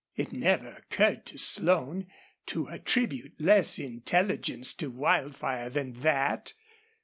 It never occurred to Slone to attribute less intelligence to Wildfire than that.